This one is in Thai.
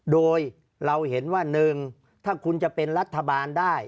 โดยเราเห็นว่า๑ถ้าคุณจะเป็นรัฐบาลได้